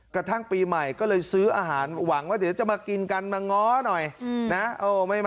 กระทั่งปีใหม่ก็เลยซื้ออาหารหวังว่าเดี๋ยวจะมากินกันมาง้อหน่อยนะ